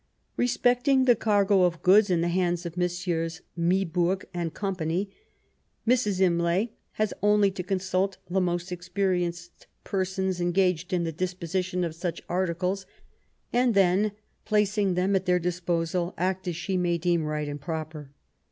... Respecting the cargo of goods in the hands of Messrs. Myburg & Go., Mrs. Imlay has only to consult the most experienced persons en* gaged in the disposition of such articles, and then, placing them at their disposal, act as she may deem right and proper.